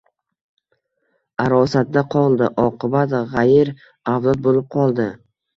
Arosatda qoldi! Oqibat g‘ayir avlod bo‘lib qoldi!»